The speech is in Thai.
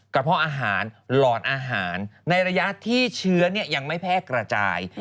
เพาะอาหารหลอดอาหารในระยะที่เชื้อยังไม่แพร่กระจาย